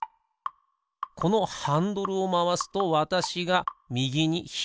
このハンドルをまわすとわたしがみぎにひだりにとうごくはこ。